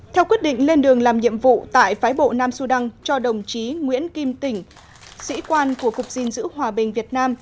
theo quyết định lên đường làm nhiệm vụ tại phái bộ nam sudan cho đồng chí nguyễn kim tỉnh sĩ quan của cục diên dữ hòa bình việt nam